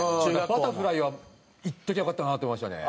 バタフライはいっときゃよかったなって思いましたね。